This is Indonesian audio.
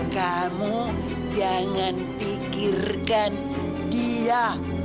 kamu jangan pikirkan dia